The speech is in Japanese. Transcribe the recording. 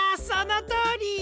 そのとおり！